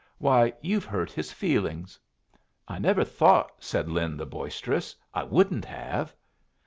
Why, you've hurt his feelings!" "I never thought," said Lin the boisterous. "I wouldn't have."